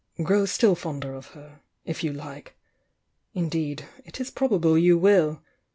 Grow still fonder of her, if you like! — indeed, it is probable you will.